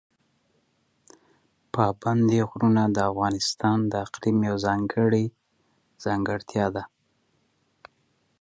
پابندي غرونه د افغانستان د اقلیم یوه ځانګړې ځانګړتیا ده.